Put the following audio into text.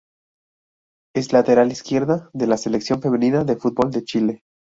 Es lateral izquierda de la Selección femenina de fútbol de Chile.